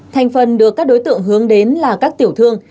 thành phần được các đối tượng hướng đến là các tiểu thương